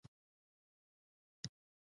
جانانه خدای دې سزا درکړي.